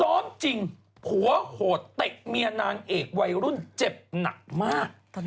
ร้อนจริงผัวโหดเตะเมียนางเอกวัยรุ่นเจ็บหนักมาก